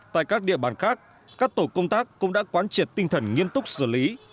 tại các địa bàn khác các tổ công tác cũng đã quán triệt tinh thần nghiêm túc xử lý